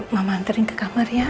mama anterin ke kamar ya